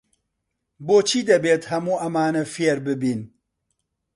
بۆچی دەبێت هەموو ئەمانە فێر ببین؟